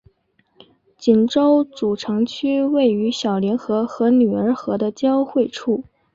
锦州主城区位于小凌河和女儿河的交汇处。